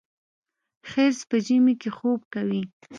خرس په ژمي کې خوب کوي